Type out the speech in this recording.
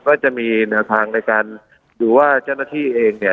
ก็จะมีแนวทางในการดูว่าเจ้าหน้าที่เองเนี่ย